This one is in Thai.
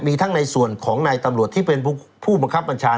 มีทั้งในส่วนของนายตำรวจที่เป็นผู้บังคับบัญชา